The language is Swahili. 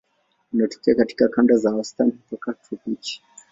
Wanatokea katika kanda za wastani mpaka tropiki.